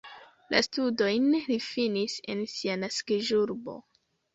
La studojn li finis en sia naskiĝurbo.